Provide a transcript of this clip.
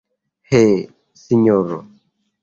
He, sinjoro!